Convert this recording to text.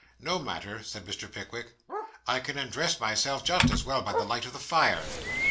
'No matter,' said Mr. Pickwick, 'I can undress myself just as well by the light of the fire.